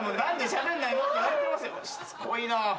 しつこいなぁ。